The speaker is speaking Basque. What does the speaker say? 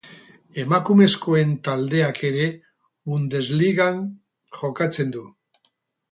Emakumezkoen taldeak ere Bundesligan jokatzen du.